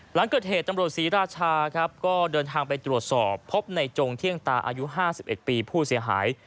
หลังเกิดเหตุตำรวจศรีราชาครับก็เดินทางไปตรวจสอบพบในจงเที่ยงตาอายุ๕๑ปีผู้เสียหาย